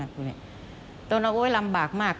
ตรงนั้นโอ๊ยลำบากมาก